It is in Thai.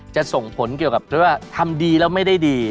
จะส่งผลเกี่ยวกับเรื่องว่าทำดีแล้วไม่ได้ดี